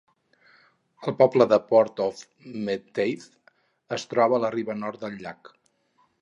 El poble de Port of Menteith es troba a la riba nord del llac.